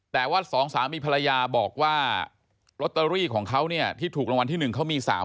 แต่ว่าสองสามีภรรยาบอกว่าลอตเตอรี่ของเขาเนี่ยที่ถูกรางวัลที่๑เขามี๓๐๐